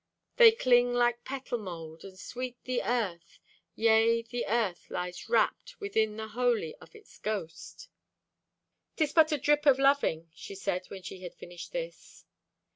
They cling like petal mold, and sweet the Earth. Yea, the Earth lies wrapped Within the holy of its ghost. "'Tis but a drip o' loving," she said when she had finished this.